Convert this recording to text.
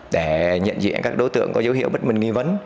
để nhận diện các đối tượng có dấu hiệu bất minh nghi vấn